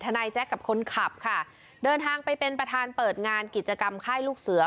นายแจ๊คกับคนขับค่ะเดินทางไปเป็นประธานเปิดงานกิจกรรมค่ายลูกเสือ